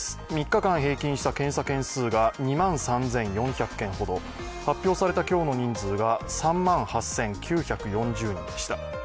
３日間平均した検査件数が２万３４００件ほど、発表された今日の人数が３万８９４０人でした。